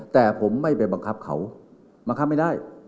แต่ผมไม่ไปบังคับเขาบังคับไม่ได้